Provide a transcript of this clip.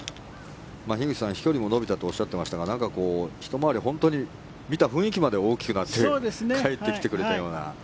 樋口さん飛距離も伸びたとおっしゃってましたが一回り、本当に見た雰囲気まで大きくなって帰ってきてくれたような。